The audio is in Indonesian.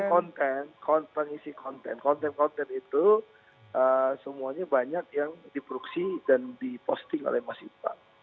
konten pengisi konten konten konten itu semuanya banyak yang diproduksi dan diposting oleh mas iqbal